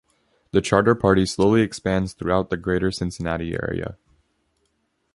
The Charter Party slowly expands throughout the Greater Cincinnati area.